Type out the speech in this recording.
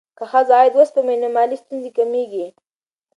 که ښځه عاید وسپموي، نو مالي ستونزې کمېږي.